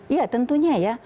iya tentunya ya